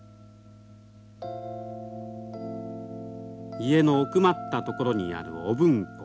家の奥まった所にある御文庫。